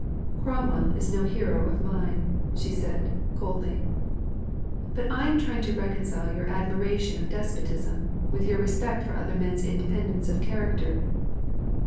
"Cromwell is no hero of mine," she said, coldly. "But I am trying to reconcile your admiration of despotism with your respect for other men's independence of character."